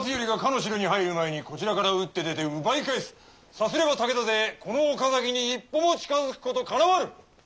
さすれば武田勢この岡崎に一歩も近づくことかなわぬ！